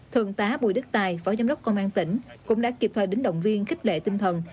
thượng tá bùi đức tài phó giám đốc công an tỉnh cũng đã kịp thời đến động viên khích lệ tinh thần